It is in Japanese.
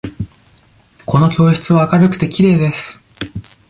この教室は明るくて、きれいです。